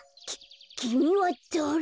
ききみはだれ？